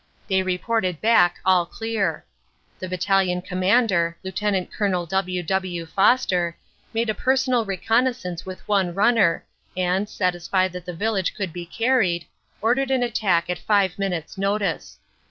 They reported back all clear. The Battalion Com mander, Lt. Col. W. W. Foster, made a personal reconnaisancc with one runner, and, satisfied that the village could be carried, ordered an attack at five minutes notice.